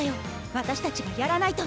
私たちがやらないと！